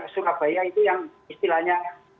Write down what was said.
surabaya itu yang istilahnya